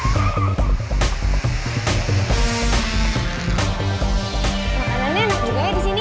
makanannya enak juga ya di sini